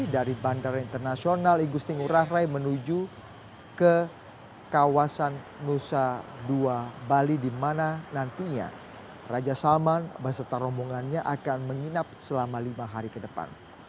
dari bandara internasional igusti ngurah rai menuju ke kawasan nusa dua bali di mana nantinya raja salman beserta rombongannya akan menginap selama lima hari ke depan